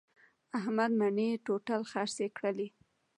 احمد مڼې ټوټل خرڅې کړلې.